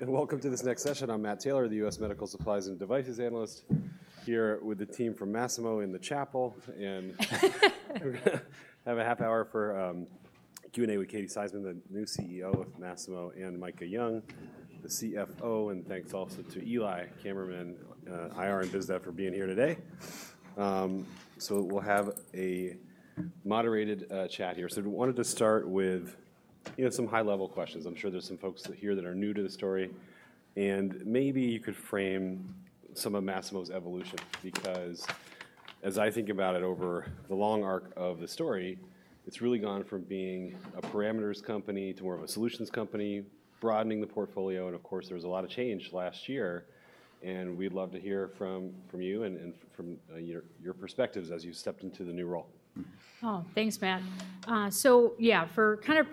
Welcome to this next session. I'm Matt Taylor, the U.S. Medical Supplies and Devices Analyst, here with the team from Masimo in the chapel. We're going to have a half hour for Q&A with Katie Szyman, the new CEO of Masimo, and Micah Young, the CFO. Thanks also to Eli Kammerman, IR and VizDev, for being here today. We'll have a moderated chat here. I wanted to start with some high-level questions. I'm sure there are some folks here that are new to the story. Maybe you could frame some of Masimo's evolution, because as I think about it over the long arc of the story, it's really gone from being a parameters company to more of a solutions company, broadening the portfolio. Of course, there was a lot of change last year. We'd love to hear from you and from your perspectives as you stepped into the new role. Oh, thanks, Matt. So yeah, for kind of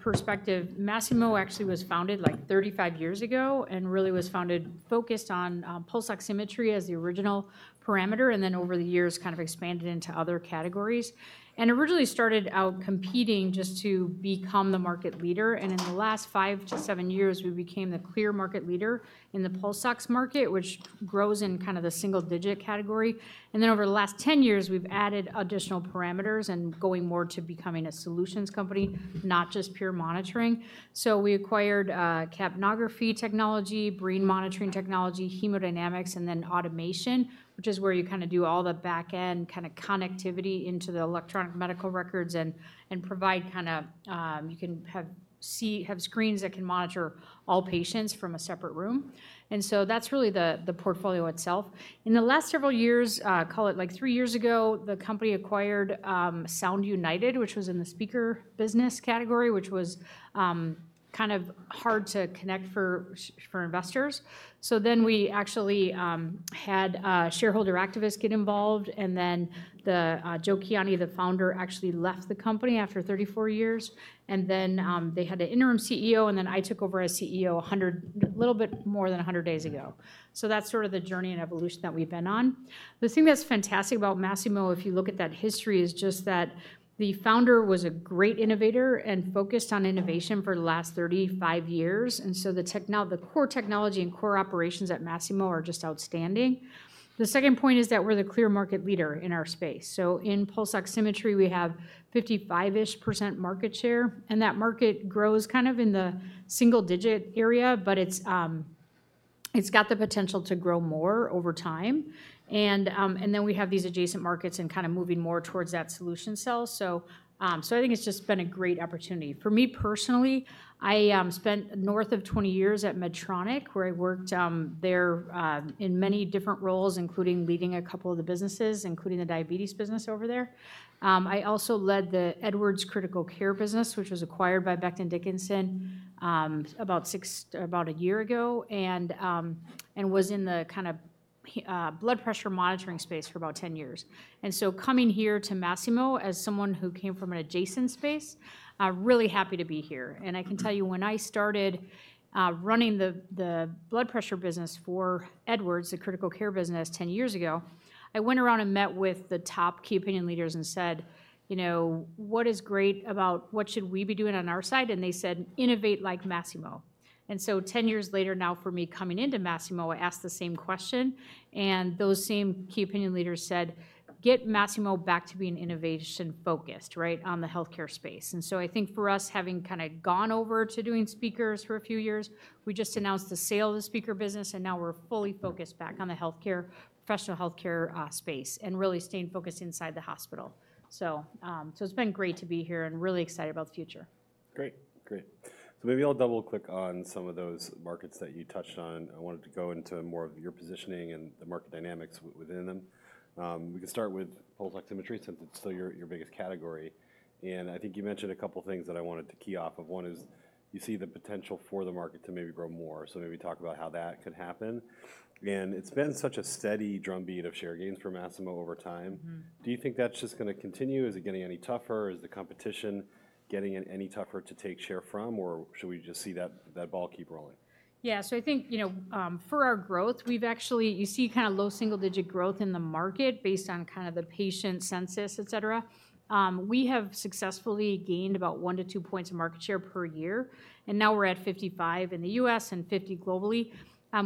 perspective, Masimo actually was founded like 35 years ago and really was founded focused on pulse oximetry as the original parameter. And then over the years, kind of expanded into other categories. And originally started out competing just to become the market leader. In the last five to seven years, we became the clear market leader in the pulse oximetry market, which grows in kind of the single-digit category. In the last 10 years, we've added additional parameters and going more to becoming a solutions company, not just pure monitoring. We acquired capnography technology, brain monitoring technology, hemodynamics, and then automation, which is where you kind of do all the back-end kind of connectivity into the electronic medical records and provide kind of you can have screens that can monitor all patients from a separate room. That is really the portfolio itself. In the last several years, call it like three years ago, the company acquired Sound United, which was in the speaker business category, which was kind of hard to connect for investors. We actually had shareholder activists get involved. Joe Kiani, the founder, actually left the company after 34 years. They had an interim CEO. I took over as CEO a little bit more than 100 days ago. That is sort of the journey and evolution that we have been on. The thing that is fantastic about Masimo, if you look at that history, is just that the founder was a great innovator and focused on innovation for the last 35 years. The core technology and core operations at Masimo are just outstanding. The second point is that we're the clear market leader in our space. In pulse oximetry, we have 55% market share. That market grows kind of in the single-digit area, but it's got the potential to grow more over time. We have these adjacent markets and kind of moving more towards that solution sell. I think it's just been a great opportunity. For me personally, I spent north of 20 years at Medtronic, where I worked there in many different roles, including leading a couple of the businesses, including the diabetes business over there. I also led the Edwards Critical Care business, which was acquired by Becton Dickinson about a year ago and was in the kind of blood pressure monitoring space for about 10 years. Coming here to Masimo as someone who came from an adjacent space, I'm really happy to be here. I can tell you, when I started running the blood pressure business for Edwards, the critical care business, 10 years ago, I went around and met with the top key opinion leaders and said, you know, what is great about what should we be doing on our side? They said, innovate like Masimo. Ten years later now for me coming into Masimo, I asked the same question. Those same key opinion leaders said, get Masimo back to being innovation-focused on the healthcare space. I think for us, having kind of gone over to doing speakers for a few years, we just announced the sale of the speaker business. We are fully focused back on the healthcare, professional healthcare space, and really staying focused inside the hospital. It has been great to be here and really excited about the future. Great, great. Maybe I'll double-click on some of those markets that you touched on. I wanted to go into more of your positioning and the market dynamics within them. We can start with pulse oximetry, since it's still your biggest category. I think you mentioned a couple of things that I wanted to key off of. One is you see the potential for the market to maybe grow more. Maybe talk about how that could happen. It's been such a steady drumbeat of share gains for Masimo over time. Do you think that's just going to continue? Is it getting any tougher? Is the competition getting any tougher to take share from? Should we just see that ball keep rolling? Yeah, so I think for our growth, we've actually, you see, kind of low single-digit growth in the market based on kind of the patient census, et cetera. We have successfully gained about one to two percentage points of market share per year. Now we're at 55% in the U.S. and 50% globally.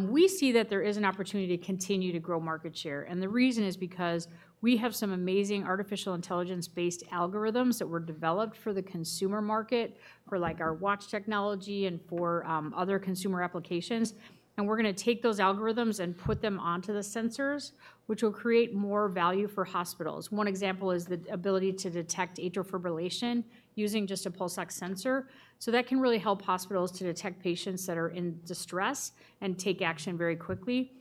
We see that there is an opportunity to continue to grow market share. The reason is because we have some amazing artificial intelligence-based algorithms that were developed for the consumer market, for our watch technology and for other consumer applications. We're going to take those algorithms and put them onto the sensors, which will create more value for hospitals. One example is the ability to detect atrial fibrillation using just a pulse oximeter sensor. That can really help hospitals to detect patients that are in distress and take action very quickly.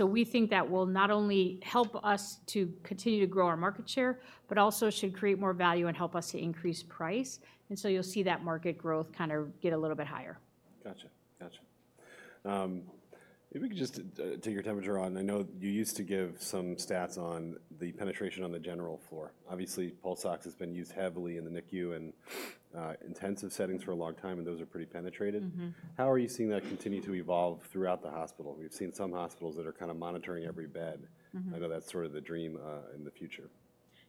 We think that will not only help us to continue to grow our market share, but also should create more value and help us to increase price. You will see that market growth kind of get a little bit higher. Gotcha, gotcha. If we could just take your temperature on. I know you used to give some stats on the penetration on the general floor. Obviously, pulse oximetry has been used heavily in the NICU and intensive settings for a long time, and those are pretty penetrated. How are you seeing that continue to evolve throughout the hospital? We've seen some hospitals that are kind of monitoring every bed. I know that's sort of the dream in the future.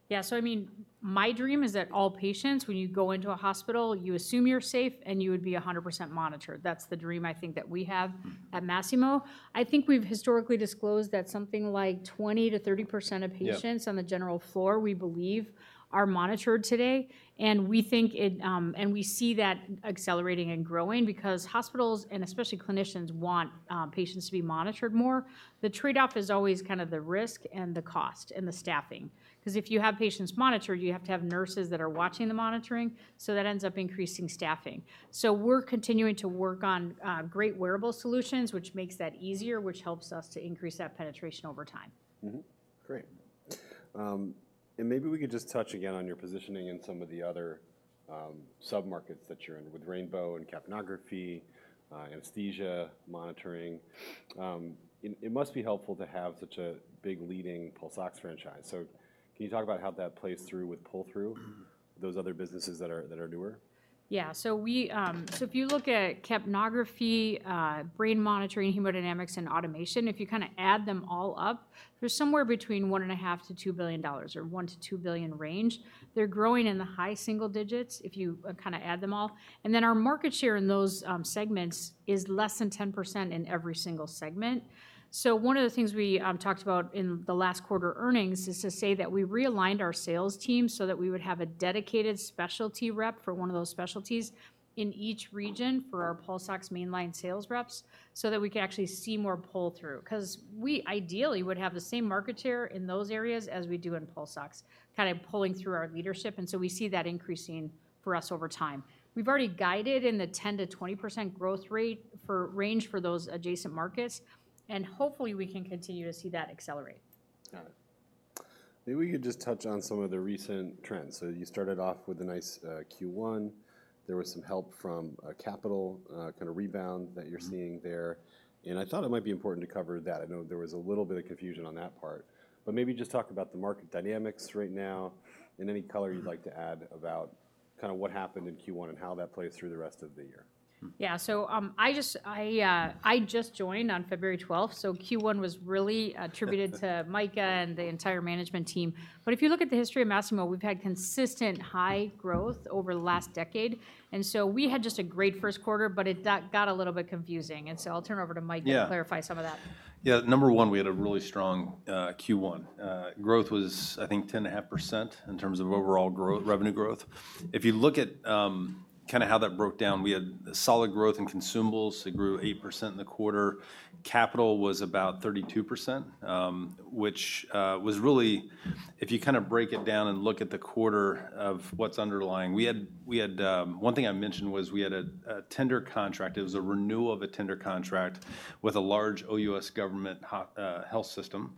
Yeah, so I mean, my dream is that all patients, when you go into a hospital, you assume you're safe and you would be 100% monitored. That's the dream I think that we have at Masimo. I think we've historically disclosed that something like 20%-30% of patients on the general floor, we believe, are monitored today. And we think and we see that accelerating and growing because hospitals, and especially clinicians, want patients to be monitored more. The trade-off is always kind of the risk and the cost and the staffing. Because if you have patients monitored, you have to have nurses that are watching the monitoring. So that ends up increasing staffing. So we're continuing to work on great wearable solutions, which makes that easier, which helps us to increase that penetration over time. Great. Maybe we could just touch again on your positioning in some of the other sub-markets that you are in with Rainbow and capnography, anesthesia, monitoring. It must be helpful to have such a big leading pulse oximetry franchise. Can you talk about how that plays through with pull-through, those other businesses that are newer? Yeah, so if you look at capnography, brain monitoring, hemodynamics, and automation, if you kind of add them all up, they're somewhere between $1.5 billion-$2 billion or $1 billion-$2 billion range. They're growing in the high single digits if you kind of add them all. And then our market share in those segments is less than 10% in every single segment. So one of the things we talked about in the last quarter earnings is to say that we realigned our sales team so that we would have a dedicated specialty rep for one of those specialties in each region for our pulse oximetry mainline sales reps so that we could actually see more pull-through. Because we ideally would have the same market share in those areas as we do in pulse oximetry, kind of pulling through our leadership. We see that increasing for us over time. We've already guided in the 10%-20% growth rate range for those adjacent markets. Hopefully, we can continue to see that accelerate. Got it. Maybe we could just touch on some of the recent trends. You started off with a nice Q1. There was some help from capital, kind of rebound that you're seeing there. I thought it might be important to cover that. I know there was a little bit of confusion on that part. Maybe just talk about the market dynamics right now and any color you'd like to add about what happened in Q1 and how that plays through the rest of the year. Yeah, so I just joined on February 12th. Q1 was really attributed to Micah and the entire management team. If you look at the history of Masimo, we've had consistent high growth over the last decade. We had just a great first quarter, but it got a little bit confusing. I'll turn it over to Micah to clarify some of that. Yeah, number one, we had a really strong Q1. Growth was, I think, 10.5% in terms of overall revenue growth. If you look at kind of how that broke down, we had solid growth in consumables. It grew 8% in the quarter. Capital was about 32%, which was really, if you kind of break it down and look at the quarter of what's underlying, we had one thing I mentioned was we had a tender contract. It was a renewal of a tender contract with a large OUS government health system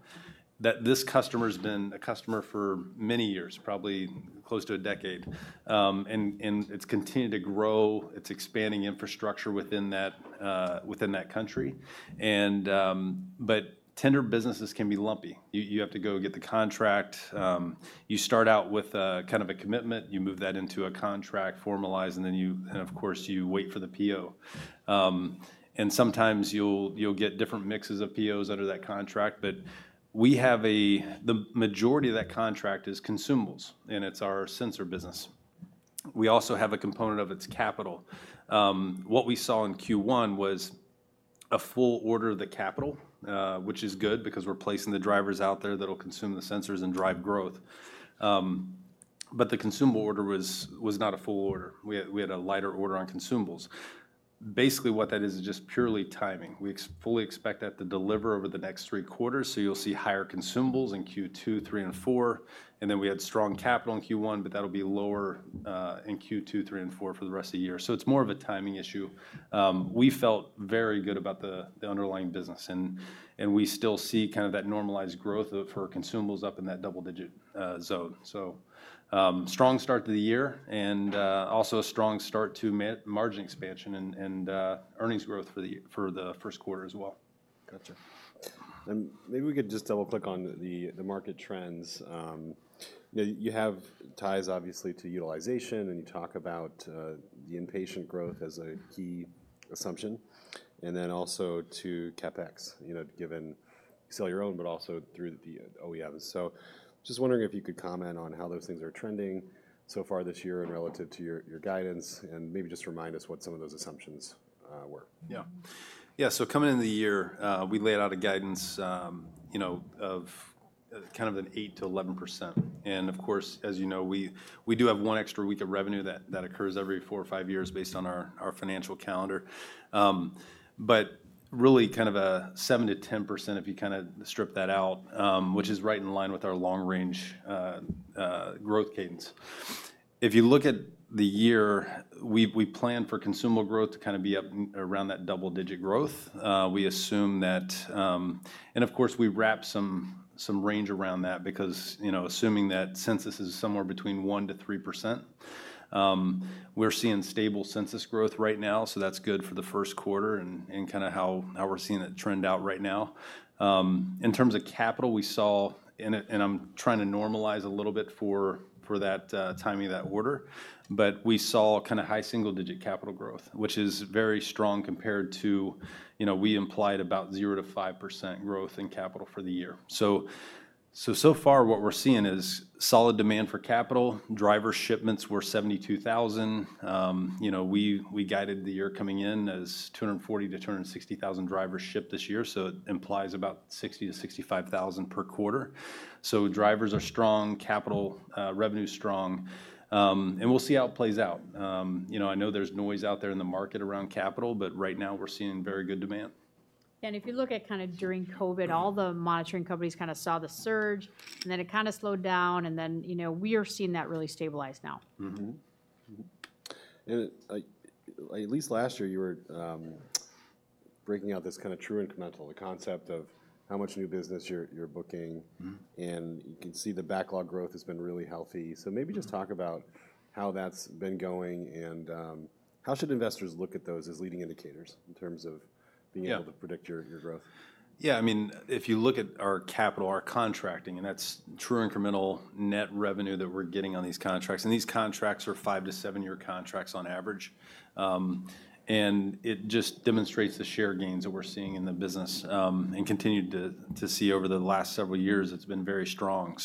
that this customer has been a customer for many years, probably close to a decade. It's continued to grow. It's expanding infrastructure within that country. Tender businesses can be lumpy. You have to go get the contract. You start out with kind of a commitment. You move that into a contract, formalize, and then, of course, you wait for the PO. Sometimes you'll get different mixes of POs under that contract. The majority of that contract is consumables, and it's our sensor business. We also have a component of it as capital. What we saw in Q1 was a full order of the capital, which is good because we're placing the drivers out there that'll consume the sensors and drive growth. The consumable order was not a full order. We had a lighter order on consumables. Basically, what that is, is just purely timing. We fully expect that to deliver over the next three quarters. You'll see higher consumables in Q2, Q3, and Q4. We had strong capital in Q1, but that'll be lower in Q2, Q3, and Q4 for the rest of the year. It is more of a timing issue. We felt very good about the underlying business. We still see kind of that normalized growth for consumables up in that double-digit zone. Strong start to the year and also a strong start to margin expansion and earnings growth for the first quarter as well. Gotcha. Maybe we could just double-click on the market trends. You have ties, obviously, to utilization. You talk about the inpatient growth as a key assumption and then also to CapEx, given sell your own, but also through the OEMs. Just wondering if you could comment on how those things are trending so far this year and relative to your guidance and maybe just remind us what some of those assumptions were. Yeah, yeah, so coming into the year, we laid out a guidance of kind of an 8%-11%. Of course, as you know, we do have one extra week of revenue that occurs every four or five years based on our financial calendar. Really kind of a 7%-10% if you kind of strip that out, which is right in line with our long-range growth cadence. If you look at the year, we plan for consumable growth to kind of be up around that double-digit growth. We assume that. Of course, we wrap some range around that because assuming that census is somewhere between 1%-3%, we're seeing stable census growth right now. That is good for the first quarter and kind of how we're seeing it trend out right now. In terms of capital, we saw, and I'm trying to normalize a little bit for that timing of that order, but we saw kind of high single-digit capital growth, which is very strong compared to we implied about 0%-5% growth in capital for the year. So far, what we're seeing is solid demand for capital. Driver shipments were 72,000. We guided the year coming in as 240,000-260,000 drivers shipped this year. It implies about 60,000-65,000 per quarter. Drivers are strong, capital revenue is strong. We'll see how it plays out. I know there's noise out there in the market around capital, but right now we're seeing very good demand. Yeah, if you look at kind of during COVID, all the monitoring companies kind of saw the surge. It kind of slowed down. We are seeing that really stabilize now. At least last year, you were breaking out this kind of true incremental, the concept of how much new business you're booking. You can see the backlog growth has been really healthy. Maybe just talk about how that's been going and how should investors look at those as leading indicators in terms of being able to predict your growth? Yeah, I mean, if you look at our capital, our contracting, and that's true incremental net revenue that we're getting on these contracts. These contracts are five- to seven-year contracts on average. It just demonstrates the share gains that we're seeing in the business and continue to see over the last several years. It's been very strong.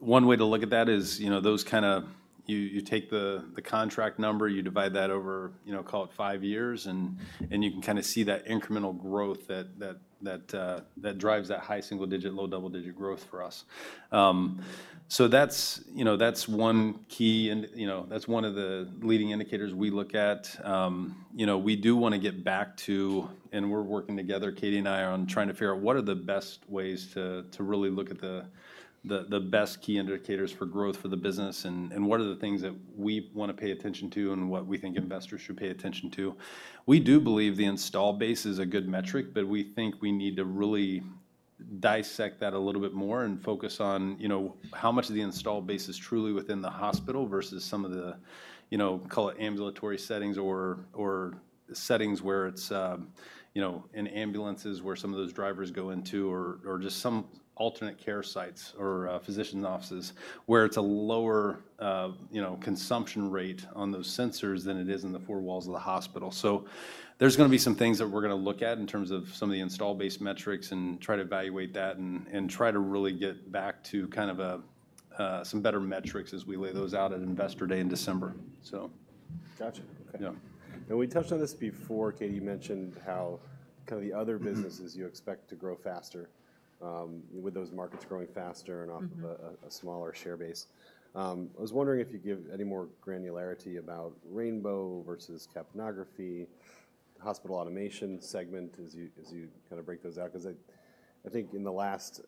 One way to look at that is those kind of you take the contract number, you divide that over, call it five years, and you can kind of see that incremental growth that drives that high single-digit, low double-digit growth for us. That's one key. That's one of the leading indicators we look at. We do want to get back to, and we're working together, Katie and I, on trying to figure out what are the best ways to really look at the best key indicators for growth for the business and what are the things that we want to pay attention to and what we think investors should pay attention to. We do believe the install base is a good metric, but we think we need to really dissect that a little bit more and focus on how much of the install base is truly within the hospital versus some of the, call it ambulatory settings or settings where it's in ambulances where some of those drivers go into or just some alternate care sites or physicians' offices where it's a lower consumption rate on those sensors than it is in the four walls of the hospital. There's going to be some things that we're going to look at in terms of some of the install base metrics and try to evaluate that and try to really get back to kind of some better metrics as we lay those out at investor day in December. Gotcha. Okay. We touched on this before. Katie, you mentioned how kind of the other businesses you expect to grow faster with those markets growing faster and off of a smaller share base. I was wondering if you'd give any more granularity about Rainbow versus capnography, hospital automation segment as you kind of break those out. I think in the last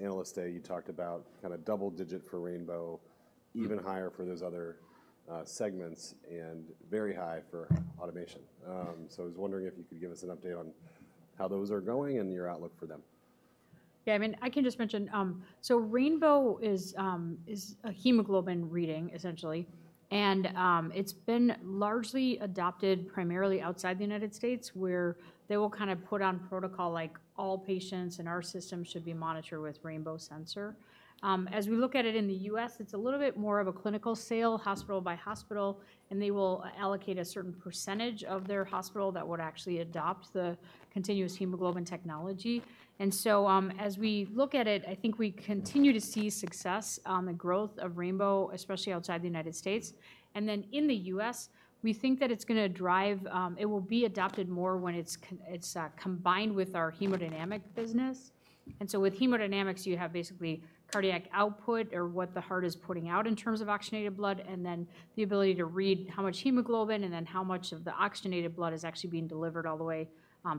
analyst day, you talked about kind of double-digit for Rainbow, even higher for those other segments, and very high for automation. I was wondering if you could give us an update on how those are going and your outlook for them. Yeah, I mean, I can just mention. So rainbow is a hemoglobin reading, essentially. And it's been largely adopted primarily outside the U.S. where they will kind of put on protocol like all patients in our system should be monitored with rainbow sensor. As we look at it in the U.S., it's a little bit more of a clinical sale, hospital by hospital. And they will allocate a certain percentage of their hospital that would actually adopt the continuous hemoglobin technology. As we look at it, I think we continue to see success on the growth of rainbow, especially outside the U.S. In the U.S., we think that it's going to drive it will be adopted more when it's combined with our hemodynamic business. With hemodynamics, you have basically cardiac output or what the heart is putting out in terms of oxygenated blood and then the ability to read how much hemoglobin and then how much of the oxygenated blood is actually being delivered all the way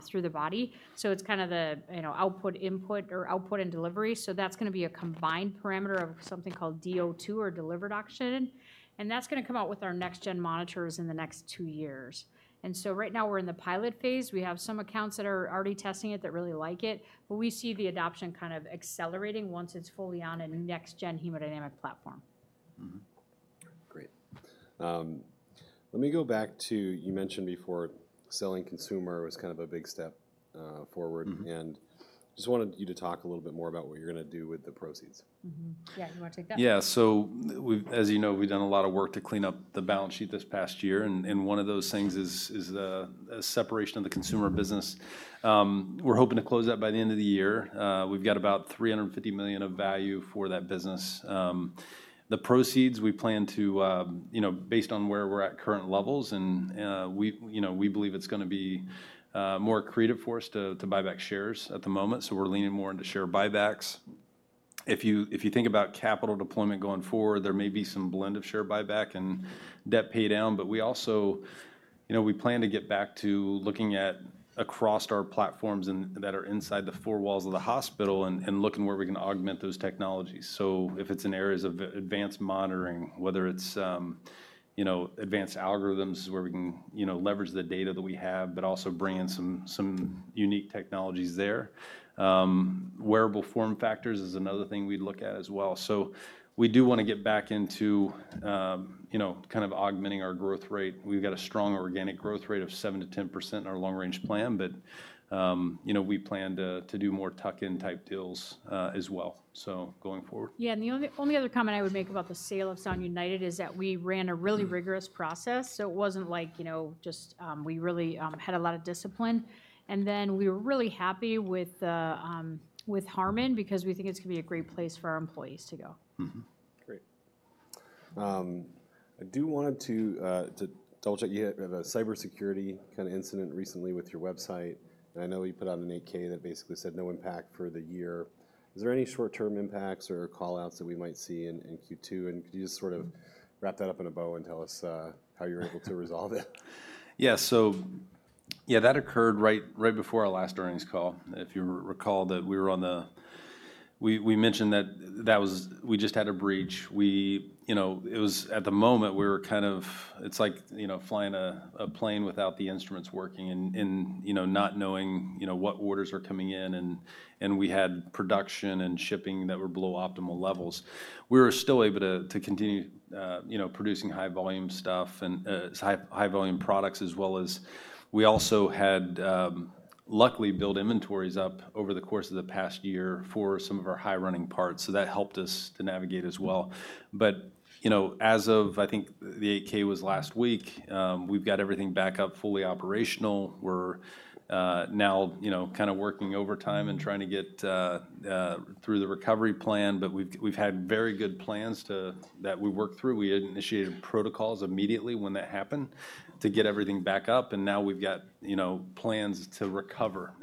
through the body. It is kind of the output, input, or output and delivery. That is going to be a combined parameter of something called DO2 or delivered oxygen. That is going to come out with our next-gen monitors in the next two years. Right now, we are in the pilot phase. We have some accounts that are already testing it that really like it. We see the adoption kind of accelerating once it is fully on a next-gen hemodynamic platform. Great. Let me go back to you mentioned before selling consumer was kind of a big step forward. I just wanted you to talk a little bit more about what you're going to do with the proceeds. Yeah, you want to take that? Yeah, so as you know, we've done a lot of work to clean up the balance sheet this past year. One of those things is the separation of the consumer business. We're hoping to close that by the end of the year. We've got about $350 million of value for that business. The proceeds, we plan to, based on where we're at current levels, and we believe it's going to be more accretive for us to buy back shares at the moment. We're leaning more into share buybacks. If you think about capital deployment going forward, there may be some blend of share buyback and debt pay down. We also plan to get back to looking at across our platforms that are inside the four walls of the hospital and looking where we can augment those technologies. If it's in areas of advanced monitoring, whether it's advanced algorithms where we can leverage the data that we have, but also bring in some unique technologies there. Wearable form factors is another thing we'd look at as well. We do want to get back into kind of augmenting our growth rate. We've got a strong organic growth rate of 7%-10% in our long-range plan. We plan to do more tuck-in type deals as well going forward. Yeah, and the only other comment I would make about the sale of Sound United is that we ran a really rigorous process. It was not like just we really had a lot of discipline. We were really happy with Harman because we think it is going to be a great place for our employees to go. Great. I do want to double-check. You had a cybersecurity kind of incident recently with your website. I know you put out an 8K that basically said no impact for the year. Is there any short-term impacts or callouts that we might see in Q2? Could you just sort of wrap that up in a bow and tell us how you're able to resolve it? Yeah, so yeah, that occurred right before our last earnings call. If you recall that we were on the we mentioned that we just had a breach. It was at the moment we were kind of it's like flying a plane without the instruments working and not knowing what orders are coming in. We had production and shipping that were below optimal levels. We were still able to continue producing high-volume stuff and high-volume products as well as we also had, luckily, built inventories up over the course of the past year for some of our high-running parts. That helped us to navigate as well. As of, I think the 8K was last week, we've got everything back up fully operational. We're now kind of working overtime and trying to get through the recovery plan. We've had very good plans that we worked through. We initiated protocols immediately when that happened to get everything back up. We have plans to recover.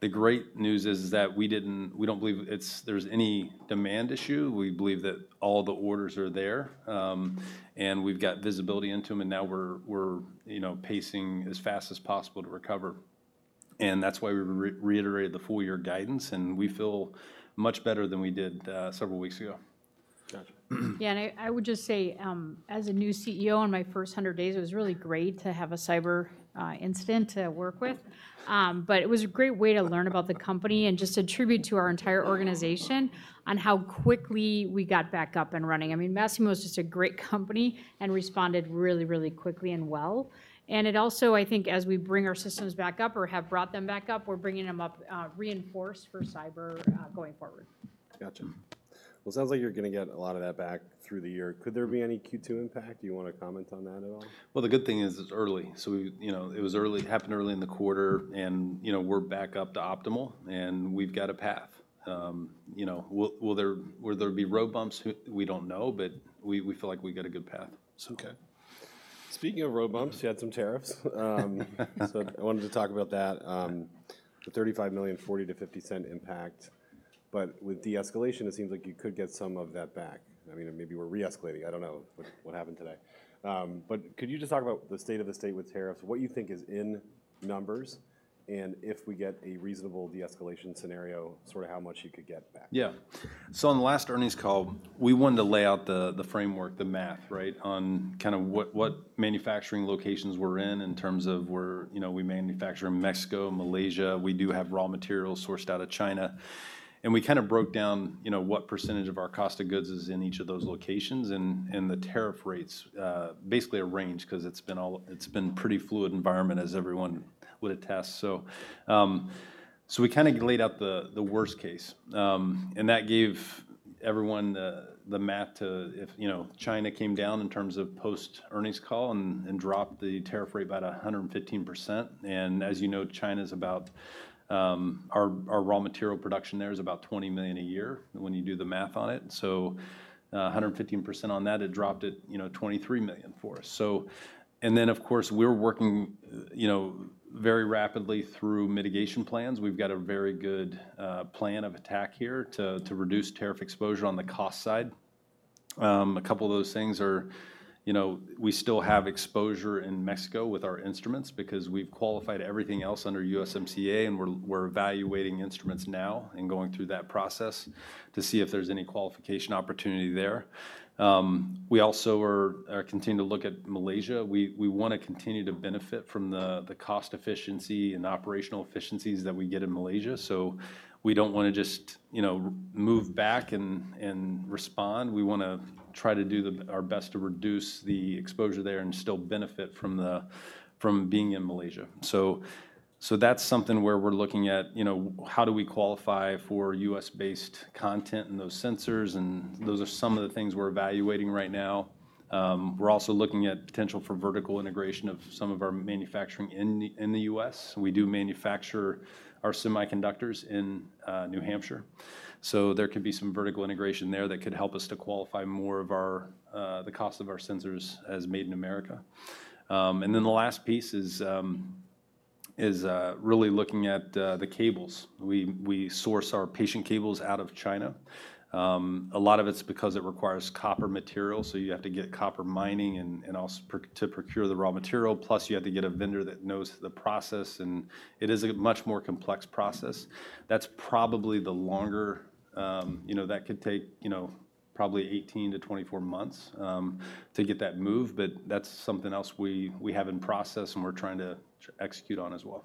The great news is that we do not believe there is any demand issue. We believe that all the orders are there. We have visibility into them. We are pacing as fast as possible to recover. That is why we reiterated the full-year guidance. We feel much better than we did several weeks ago. Gotcha. Yeah, and I would just say, as a new CEO on my first 100 days, it was really great to have a cyber incident to work with. It was a great way to learn about the company and just attribute to our entire organization on how quickly we got back up and running. I mean, Masimo is just a great company and responded really, really quickly and well. It also, I think, as we bring our systems back up or have brought them back up, we're bringing them up reinforced for cyber going forward. Gotcha. It sounds like you're going to get a lot of that back through the year. Could there be any Q2 impact? Do you want to comment on that at all? The good thing is it's early. It happened early in the quarter. We're back up to optimal, and we've got a path. Will there be road bumps? We don't know. We feel like we've got a good path. Okay. Speaking of road bumps, you had some tariffs. I wanted to talk about that, the $35 million, $0.40-$0.50 impact. With de-escalation, it seems like you could get some of that back. I mean, maybe we're re-escalating. I do not know what happened today. Could you just talk about the state of the state with tariffs, what you think is in numbers, and if we get a reasonable de-escalation scenario, sort of how much you could get back? Yeah. On the last earnings call, we wanted to lay out the framework, the math, right, on kind of what manufacturing locations we're in in terms of we manufacture in Mexico, Malaysia. We do have raw materials sourced out of China. We kind of broke down what percentage of our cost of goods is in each of those locations. The tariff rates basically ranged because it's been a pretty fluid environment, as everyone would attest. We kind of laid out the worst case. That gave everyone the math to if China came down in terms of post-earnings call and dropped the tariff rate by about 115%. As you know, China is about our raw material production there is about $20 million a year when you do the math on it. 115% on that, it dropped it $23 million for us. Of course, we're working very rapidly through mitigation plans. We've got a very good plan of attack here to reduce tariff exposure on the cost side. A couple of those things are we still have exposure in Mexico with our instruments because we've qualified everything else under USMCA. We're evaluating instruments now and going through that process to see if there's any qualification opportunity there. We also are continuing to look at Malaysia. We want to continue to benefit from the cost efficiency and operational efficiencies that we get in Malaysia. We do not want to just move back and respond. We want to try to do our best to reduce the exposure there and still benefit from being in Malaysia. That is something where we're looking at how do we qualify for U.S.-based content and those sensors. Those are some of the things we're evaluating right now. We're also looking at potential for vertical integration of some of our manufacturing in the U.S. We do manufacture our semiconductors in New Hampshire. There could be some vertical integration there that could help us to qualify more of the cost of our sensors as made in America. The last piece is really looking at the cables. We source our patient cables out of China. A lot of it is because it requires copper material. You have to get copper mining to procure the raw material. Plus, you have to get a vendor that knows the process. It is a much more complex process. That's probably the longer that could take, probably 18-24 months to get that moved. That is something else we have in process and we are trying to execute on as well.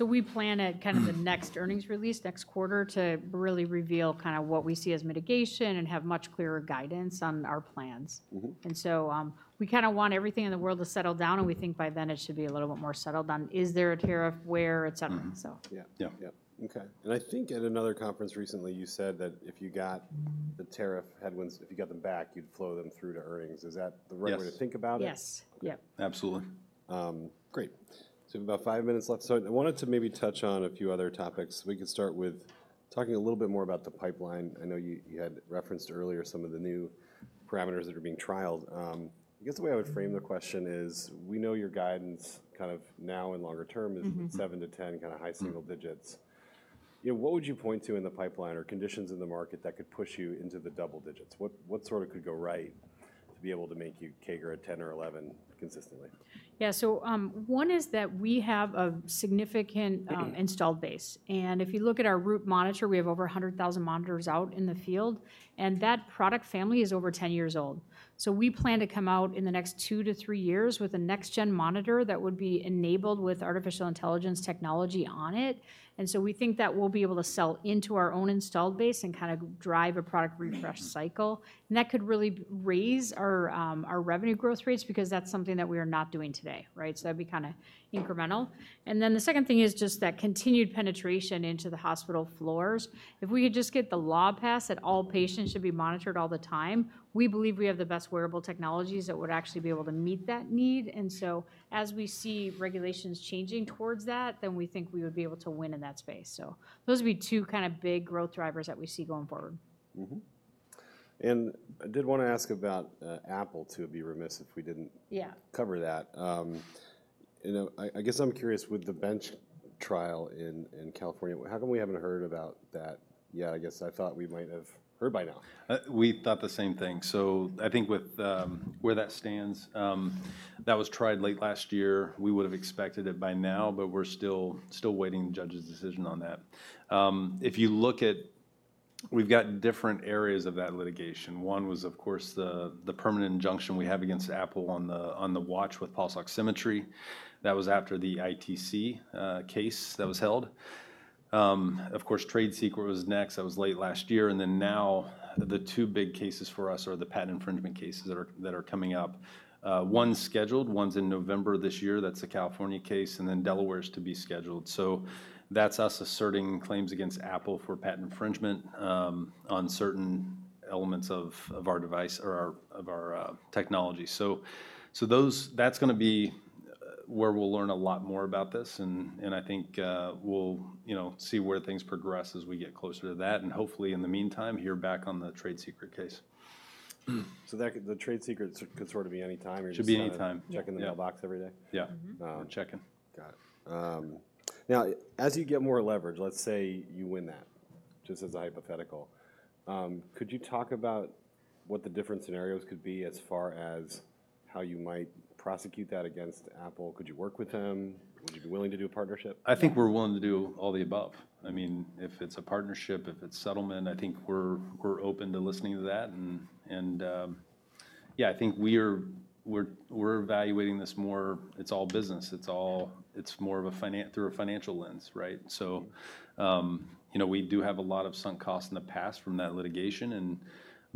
We plan at kind of the next earnings release next quarter to really reveal kind of what we see as mitigation and have much clearer guidance on our plans. We kind of want everything in the world to settle down. We think by then it should be a little bit more settled on is there a tariff where, et cetera. Yeah. Yeah. Okay. I think at another conference recently, you said that if you got the tariff headwinds, if you got them back, you'd flow them through to earnings. Is that the right way to think about it? Yes. Yes. Yes. Absolutely. Great. We have about five minutes left. I wanted to maybe touch on a few other topics. We could start with talking a little bit more about the pipeline. I know you had referenced earlier some of the new parameters that are being trialed. I guess the way I would frame the question is we know your guidance kind of now in longer term is 7-10 kind of high single digits. What would you point to in the pipeline or conditions in the market that could push you into the double digits? What sort of could go right to be able to make you cater at 10 or 11 consistently? Yeah. One is that we have a significant installed base. If you look at our Root monitor, we have over 100,000 monitors out in the field. That product family is over 10 years old. We plan to come out in the next two to three years with a next-gen monitor that would be enabled with artificial intelligence technology on it. We think that we'll be able to sell into our own installed base and kind of drive a product refresh cycle. That could really raise our revenue growth rates because that's something that we are not doing today, right? That would be kind of incremental. The second thing is just that continued penetration into the hospital floors. If we could just get the law passed that all patients should be monitored all the time, we believe we have the best wearable technologies that would actually be able to meet that need. As we see regulations changing towards that, we think we would be able to win in that space. Those would be two kind of big growth drivers that we see going forward. I did want to ask about Apple, too. I'd be remiss if we didn't cover that. I guess I'm curious, with the bench trial in California, how come we haven't heard about that yet? I guess I thought we might have heard by now. We thought the same thing. I think with where that stands, that was tried late last year. We would have expected it by now. We're still waiting the judge's decision on that. If you look at we've got different areas of that litigation. One was, of course, the permanent injunction we have against Apple on the watch with pulse oximetry. That was after the ITC case that was held. Of course, trade secret was next. That was late last year. Now the two big cases for us are the patent infringement cases that are coming up. One's scheduled. One's in November this year. That's a California case. Delaware's to be scheduled. That's us asserting claims against Apple for patent infringement on certain elements of our device or of our technology. That's going to be where we'll learn a lot more about this. I think we'll see where things progress as we get closer to that. Hopefully, in the meantime, hear back on the trade secret case. The trade secrets could sort of be any time. Should be any time. Checking the mailbox every day. Yeah. We're checking. Got it. Now, as you get more leverage, let's say you win that, just as a hypothetical, could you talk about what the different scenarios could be as far as how you might prosecute that against Apple? Could you work with them? Would you be willing to do a partnership? I think we're willing to do all the above. I mean, if it's a partnership, if it's settlement, I think we're open to listening to that. Yeah, I think we're evaluating this more. It's all business. It's more of a through a financial lens, right? We do have a lot of sunk costs in the past from that litigation.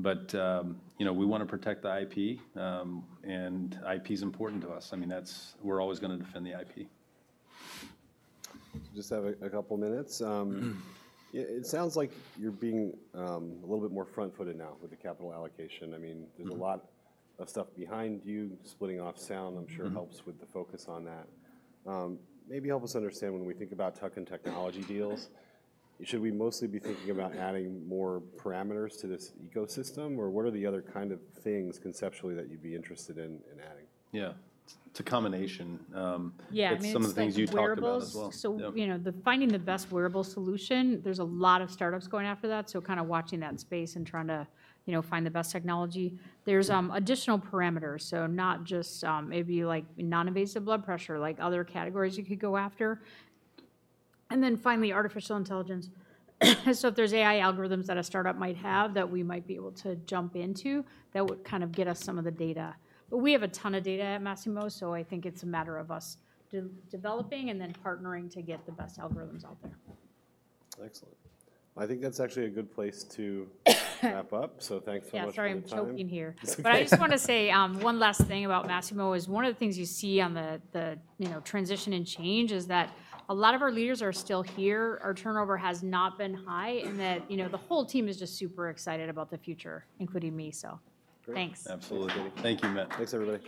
We want to protect the IP. IP is important to us. I mean, we're always going to defend the IP. Just have a couple of minutes. It sounds like you're being a little bit more front-footed now with the capital allocation. I mean, there's a lot of stuff behind you splitting off Sound. I'm sure it helps with the focus on that. Maybe help us understand when we think about tuck-in technology deals, should we mostly be thinking about adding more parameters to this ecosystem? Or what are the other kind of things conceptually that you'd be interested in adding? Yeah. It's a combination. Yeah. It makes some of the things you talked about as well. Finding the best wearable solution, there's a lot of startups going after that. Kind of watching that space and trying to find the best technology. There's additional parameters, so not just maybe non-invasive blood pressure, like other categories you could go after. Finally, artificial intelligence. If there's AI algorithms that a startup might have that we might be able to jump into, that would kind of get us some of the data. We have a ton of data at Masimo. I think it's a matter of us developing and then partnering to get the best algorithms out there. Excellent. I think that's actually a good place to wrap up. Thanks so much for coming in. Yeah. Sorry. I'm choking here. I just want to say one last thing about Masimo is one of the things you see on the transition and change is that a lot of our leaders are still here. Our turnover has not been high. The whole team is just super excited about the future, including me. Thanks. Absolutely. Thank you, Matt. Thanks, everybody.